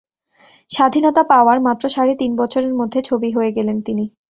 স্বাধীনতা পাওয়ার মাত্র সাড়ে তিন বছরের মধ্যে ছবি হয়ে গেলেন তিনি।